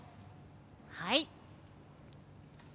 はい。